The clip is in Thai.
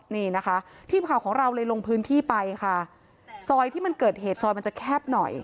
นี่นะคะทีมข่าวของเราเลยลงพื้นที่ไปค่ะซอยที่มันเกิดเหตุซอยมันจะแคบหน่อย